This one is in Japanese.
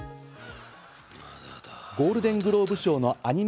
ゴールデングローブ賞のアニメ